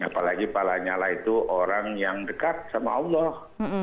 apalagi pak lanyala itu orang yang dekat sama allah